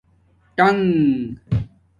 ڈآنݣ